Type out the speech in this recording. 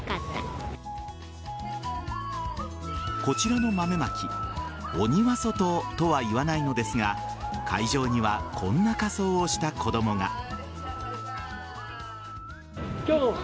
こちらの豆まき鬼は外とは言わないのですが会場にはこんな仮装をした子供が。